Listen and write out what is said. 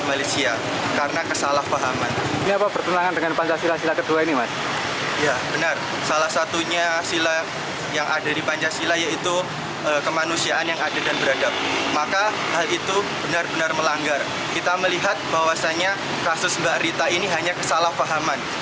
maka hal itu benar benar melanggar kita melihat bahwasannya kasus mbak rita ini hanya kesalahpahaman